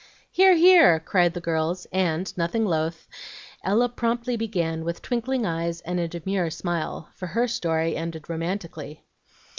"Hear! hear!" cried the girls; and, nothing loath, Ella promptly began, with twinkling eyes and a demure smile, for HER story ended romantically.